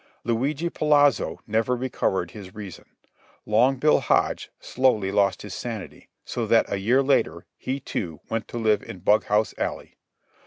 Luigi Polazzo never recovered his reason. Long Bill Hodge slowly lost his sanity, so that a year later, he, too, went to live in Bughouse Alley.